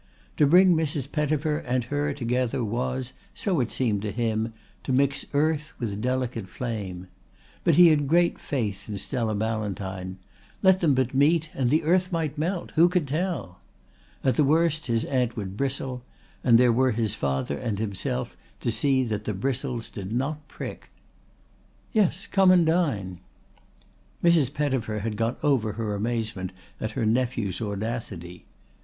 To bring Mrs. Pettifer and her together was, so it seemed to him, to mix earth with delicate flame. But he had great faith in Stella Ballantyne. Let them but meet and the earth might melt who could tell? At the worst his aunt would bristle, and there were his father and himself to see that the bristles did not prick. "Yes, come and dine." Mrs. Pettifer had got over her amazement at her nephew's audacity.